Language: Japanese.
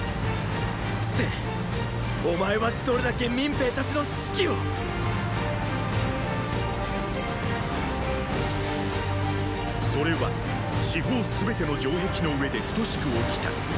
政お前はどれだけ民兵たちの士気をそれは四方全ての城壁の上で等しく起きた。